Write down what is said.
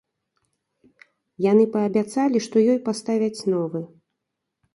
Яны паабяцалі, што ёй паставяць новы.